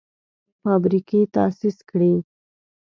فابریکې تاسیس کړي.